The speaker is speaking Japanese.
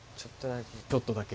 ちょっとだけ。